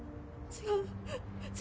違う！